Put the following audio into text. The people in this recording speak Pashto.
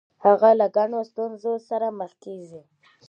هغه له ګڼو ستونزو سره مخ کیږي.